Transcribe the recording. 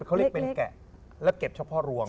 เขาเรียกเป็นแกะและเก็บเฉพาะรวง